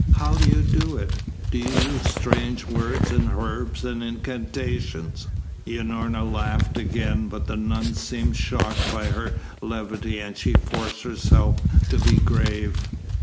"How do you do it? Do you use strange words and herbs and incantations?" Unorna laughed again, but the nun seemed shocked by her levity and she forced herself to be grave.